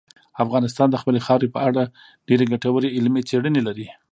افغانستان د خپلې خاورې په اړه ډېرې ګټورې علمي څېړنې لري.